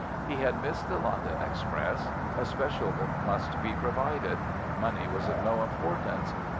He had missed the London express. A special must be provided. Money was of no importance.